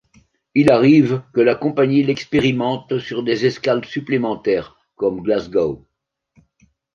Il arrive que la compagnie l'expérimente sur des escales supplémentaires, comme Glasgow.